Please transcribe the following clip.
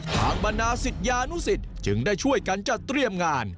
บรรดาศิษยานุสิตจึงได้ช่วยกันจัดเตรียมงาน